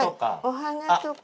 お花とか。